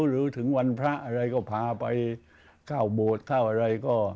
หรือถึงวันพระอะไรก็พาไปเข้าโบสถ์เข้าอะไรก็